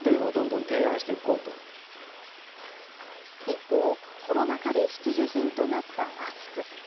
一方、コロナ禍で必需品となったマスク。